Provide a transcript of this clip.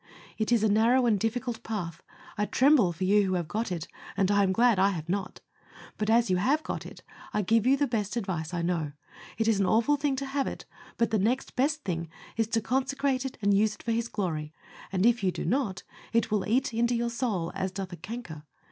It is a narrow and difficult path. I tremble for you who have got it, and I am glad I have not; but as you have got it, I give you the best advice I know. It is an awful thing to have it, but the next best thing is to consecrate it and use it to His glory; and if you do not, it will eat into your soul as doth a canker.